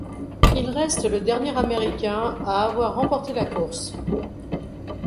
Il reste le dernier américain à avoir remporté la course.